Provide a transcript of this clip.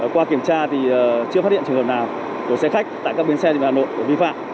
qua kiểm tra thì chưa phát hiện trường hợp nào của xe khách tại các bến xe hà nội vi phạm